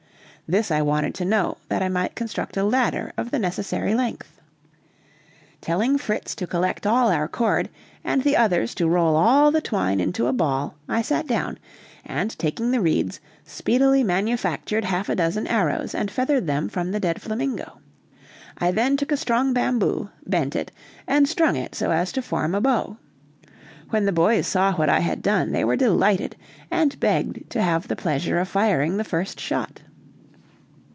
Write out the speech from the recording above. This I wanted to know, that I might construct a ladder of the necessary length. Telling Fritz to collect all our cord, and the others to roll all the twine into a ball, I sat down, and taking the reeds, speedily manufactured half a dozen arrows and feathered them from the dead flamingo. I then took a strong bamboo, bent it, and strung it so as to form a bow. When the boys saw what I had done they were delighted, and begged to have the pleasure of firing the first shot.